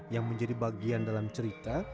yang menjadi bagian dalam cerita